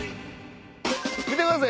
見てください。